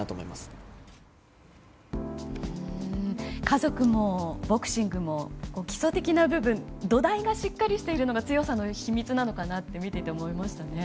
家族もボクシングも基礎的な部分土台がしっかりしているのが強さの秘密なのかなと見ていて思いましたね。